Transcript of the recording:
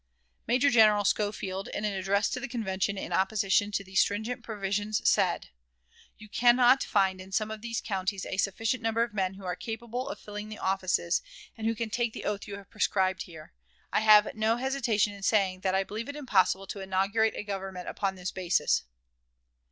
Major General Schofield, in an address to the Convention in opposition to these stringent provisions, said: "You can not find in some of the counties a sufficient number of men who are capable of filling the offices, and who can take the oath you have prescribed here, I have no hesitation in saying that I believe it impossible to inaugurate a government upon that basis."